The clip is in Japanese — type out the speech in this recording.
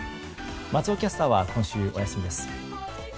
松尾キャスターは今週お休みです。